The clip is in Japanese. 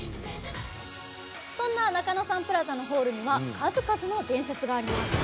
そんな中野サンプラザのホールには数々の伝説があります。